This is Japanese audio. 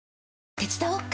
手伝おっか？